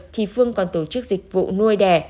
thì phương còn tổ chức dịch vụ nuôi đẻ